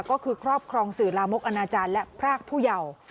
ก็คือครอบครองสื่อลามกอนาจารย์และพรากผู้เยาว์